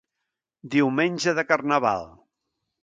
Diumenge de Carnaval.